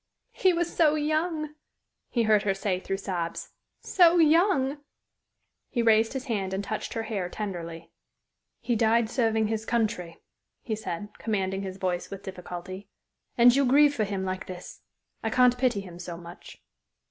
"He was so young!" he heard her say through sobs. "So young!" He raised his hand and touched her hair tenderly. "He died serving his country," he said, commanding his voice with difficulty. "And you grieve for him like this! I can't pity him so much."